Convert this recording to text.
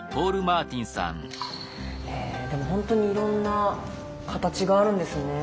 えでも本当にいろんな形があるんですね。